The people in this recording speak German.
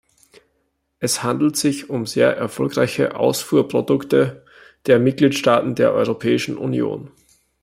Es handelt sich um sehr erfolgreiche Ausfuhrprodukte der Mitgliedstaaten der Europäischen Union.